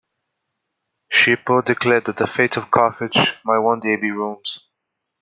Scipio declared that the fate of Carthage might one day be Rome's.